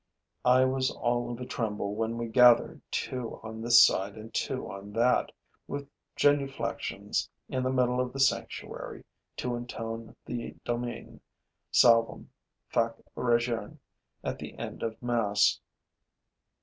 I was all of a tremble when we gathered two on this side and two on that, with genuflection's, in the middle of the sanctuary, to intone the Domine, salvum fac regern at the end of mass.